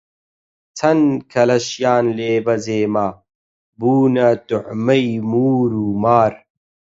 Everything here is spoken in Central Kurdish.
چەند کەلەشیان لێ بە جێ ما، بوونە توعمەی موور و مار